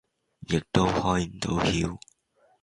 亦都開唔到竅